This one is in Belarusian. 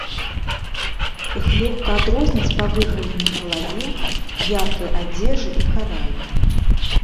Іх лёгка адрозніць па выгаленай галаве, яркай адзежы і каралям.